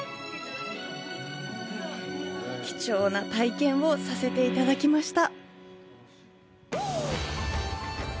貴重な体験をさせていただきました。